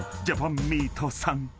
ジャパンミートさん］